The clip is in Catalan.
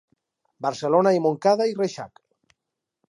Barcelona i Montcada i Reixac.